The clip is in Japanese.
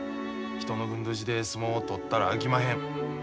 人のふんどしで相撲を取ったらあきまへん」。